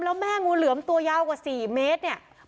แล้วแม่งูเหลือมตัวยาวกว่า๔เมตรเนี่ย